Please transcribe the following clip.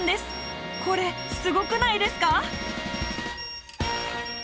これすごくないですか？